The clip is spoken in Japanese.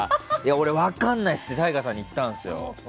俺、分かんないっすってＴＡＩＧＡさんに言ったんですよ。